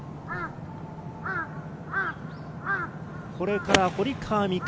これから堀川未来